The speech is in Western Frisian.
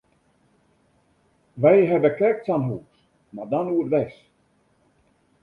Wy hawwe krekt sa'n hús, mar dan oerdwers.